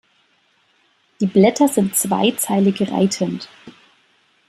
Die Blätter sind zweizeilig reitend.